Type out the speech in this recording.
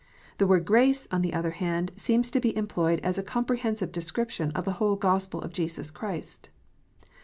The word " grace," on the other hand, seems to be employed as a comprehensive description of the whole Gospel of Jesus Christ.